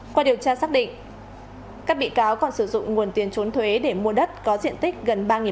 qua điều tra xác định các bị cáo còn sử dụng nguồn tiền trốn thuế để mua đất có diện tích gần ba m hai